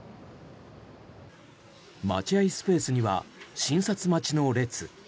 待ち合いスペースには診察待ちの列。